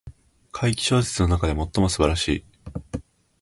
怪奇小説の中で最も素晴らしい